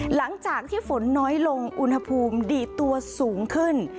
หลังจากที่ฝนน้อยลงอุณหภูมิดีดตัวสูงขึ้น